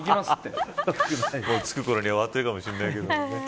着くころには終わってるかもしれないけど。